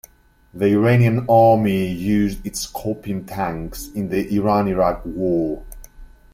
The Iranian army used its Scorpion tanks in the Iran-Iraq War.